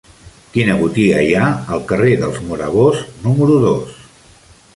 Quina botiga hi ha al carrer dels Morabos número dos?